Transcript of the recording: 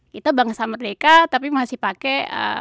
kita bangsa merdeka tapi masih pakai